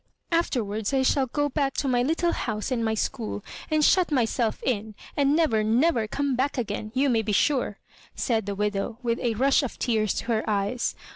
*' Afterwards I shall go back to my little house and my school, and shut myself in, and never, never come back again, you may be sure," said the widow, with a rush of tears to her eyes.